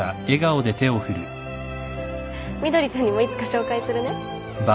美鳥ちゃんにもいつか紹介するね。